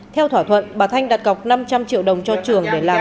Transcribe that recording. theo thỏa thuận bà thanh đặt cọc năm trăm linh triệu đồng cho trường để làm